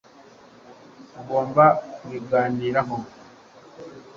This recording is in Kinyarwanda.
tugomba kubiganiraho